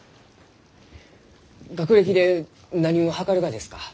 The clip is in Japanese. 学歴で何をはかるがですか？